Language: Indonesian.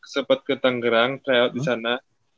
sempet ke tangerang try out disana